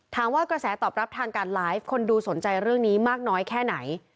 กระแสตอบรับทางการไลฟ์คนดูสนใจเรื่องนี้มากน้อยแค่ไหน